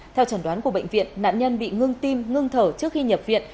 theo chuẩn đoán của bệnh viện nạn nhân bị ngưng tim ngưng thở trước khi nhập viện